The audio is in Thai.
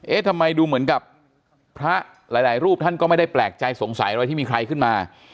ทำไมดูเหมือนกับพระหลายรูปท่านก็ไม่ได้แปลกใจสงสัยอะไรที่มีใครขึ้นมา